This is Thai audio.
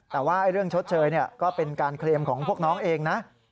แต่ว่าเรื่องชดเชยก็เป็นการเคลมของพวกน้องเองนะ